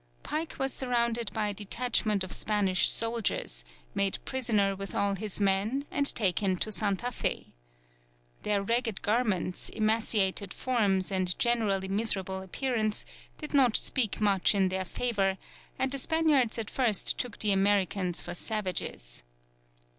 Pike was surrounded by a detachment of Spanish soldiers, made prisoner with all his men, and taken to Santa Fé. Their ragged garments, emaciated forms, and generally miserable appearance did not speak much in their favour, and the Spaniards at first took the Americans for savages.